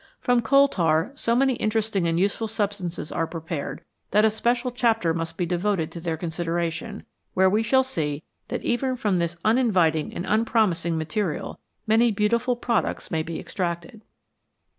From coal tar so many interesting and useful substances are prepared that a special chapter must be devoted to their consideration, where we shall see that even from this uninviting and unpromising material many beautiful products may be extracted.